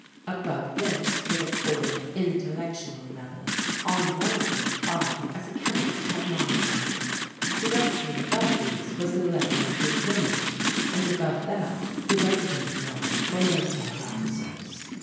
Above this were the four "Intellectual Levels," on one of which I, as a chemist had my abode. Directly above these was the "Level of Free Women," and above that the residence level for military officers.